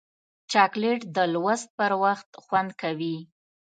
چاکلېټ د لوست پر وخت خوند لري.